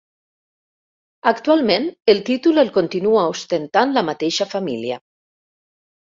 Actualment el títol el continua ostentant la mateixa família.